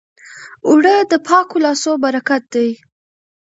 اوړه د پاکو لاسو برکت دی